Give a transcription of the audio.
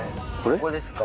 ここですか？